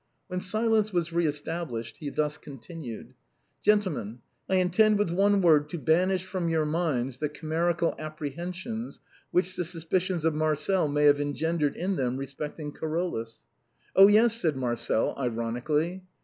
When silence was re established, he thus continued :" Gentlemen, I intend with one word to banish from your minds the chimerical apprehensions which the sus picions of Marcel may have engendered in them respecting Carolus." " Oh, yes !" said Marcel, ironically.